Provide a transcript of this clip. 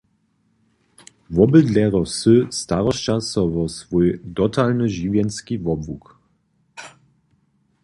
Wobydlerjo wsy starosća so wo swój dotalny žiwjenski wobłuk.